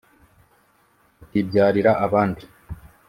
tukibyarira abandi